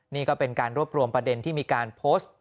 นี่ก็เป็นการรวบรวมประเด็นที่มีการโพสต์